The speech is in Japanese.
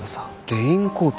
レインコート？